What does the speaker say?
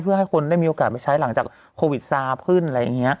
เพื่อให้คนได้มีโอกาสไปใช้หลังจากโควิดซาขึ้นอะไรอย่างนี้